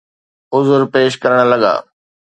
عذر پيش ڪرڻ لڳا.